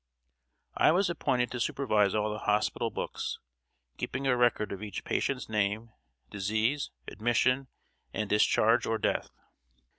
] I was appointed to supervise all the hospital books, keeping a record of each patient's name, disease, admission, and discharge or death.